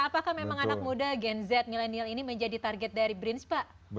apakah memang anak muda gen z milenial ini menjadi target dari brins pak